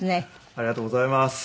ありがとうございます。